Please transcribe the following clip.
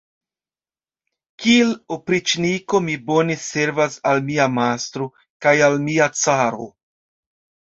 Kiel opriĉniko mi bone servas al mia mastro kaj al mia caro.